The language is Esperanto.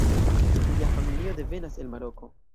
Lia familio devenas el Maroko.